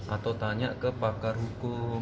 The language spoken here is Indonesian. atau tanya ke pakar hukum